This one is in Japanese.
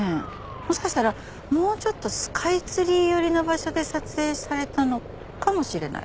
もしかしたらもうちょっとスカイツリー寄りの場所で撮影されたのかもしれない。